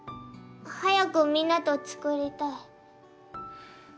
早くみんなと作りたい。